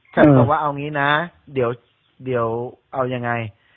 บอกว่าเอางี้นะเดี๋ยวเอายังไง